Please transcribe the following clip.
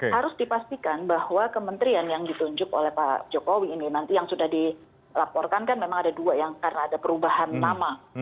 harus dipastikan bahwa kementerian yang ditunjuk oleh pak jokowi ini nanti yang sudah dilaporkan kan memang ada dua yang karena ada perubahan nama